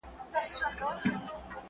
تا ماته دغومره خواږه بښلي.